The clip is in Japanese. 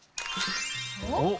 おっ！